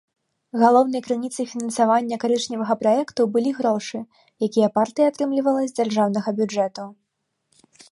Галоўнай крыніцай фінансавання карычневага праекту былі грошы, якія партыя атрымлівала з дзяржаўнага бюджэту.